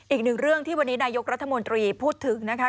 อีกหนึ่งเรื่องที่วันนี้นายกรัฐมนตรีพูดถึงนะคะ